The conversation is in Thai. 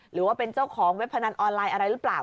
หรือว่าเป็นเจ้าของเว็บพนันออนไลน์อะไรหรือเปล่า